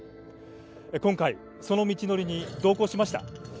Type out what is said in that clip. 今回、その道のりに同行しました。